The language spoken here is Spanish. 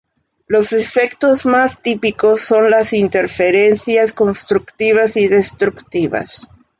Los efectos más típicos son las interferencias constructivas y destructivas.